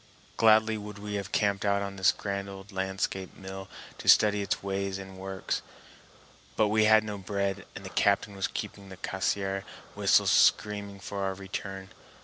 Gladly would we have camped out on this grand old landscape mill to study its ways and works; but we had no bread and the captain was keeping the Cassiar whistle screaming for our return.